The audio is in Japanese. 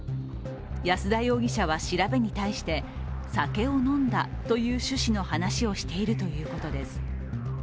安田容疑者は調べに対して、酒を飲んだという趣旨の話をしているということです。